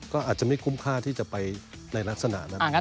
ก็อาจจะไม่คุ้มค่าที่จะไปในลักษณะนั้น